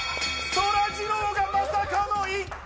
そらジローがまさかの１回！